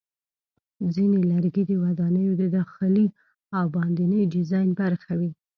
ځینې لرګي د ودانیو د داخلي او باندني ډیزاین برخه وي.